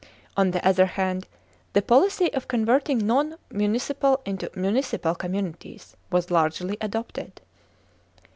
On the other hand the policy of converting non municipal into municipal communities was largely adopted.